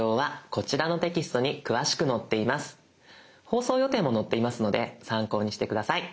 放送予定も載っていますので参考にして下さい。